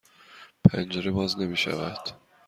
پنجره باز نمی شود.